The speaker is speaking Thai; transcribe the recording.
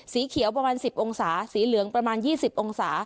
สีเขียวประมาณสิบองศาสีเหลืองประมาณยี่สิบองศา